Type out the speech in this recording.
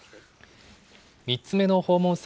３つ目の訪問先